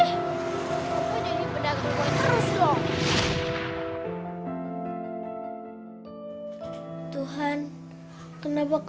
ya harusicuh dan diam punk